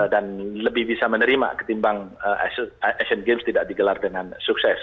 dan lebih bisa menerima ketimbang asian games tidak digelar dengan sukses